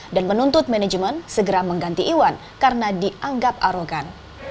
dan menuntut manajemen segera mengganti iwan karena dianggap arogan